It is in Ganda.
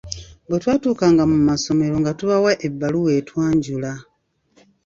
Bwe twatuukanga mu masomero nga tubawa ebbaluwa etwanjula.